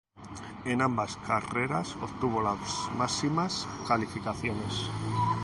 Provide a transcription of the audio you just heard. En ambas carreras obtuvo las máximas calificaciones.